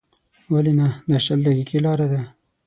ولې نه، دا شل دقیقې لاره ده.